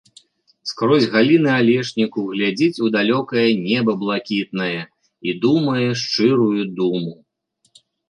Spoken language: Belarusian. Скрозь галіны алешніку глядзіць у далёкае неба блакітнае і думае шчырую думу.